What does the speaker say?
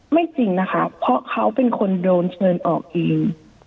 จริงนะคะเพราะเขาเป็นคนโดนเชิญออกเอง